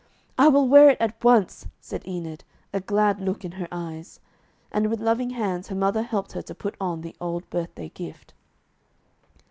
'I will wear it at once,' said Enid, a glad look in her eyes. And with loving hands her mother helped her to put on the old birthday gift.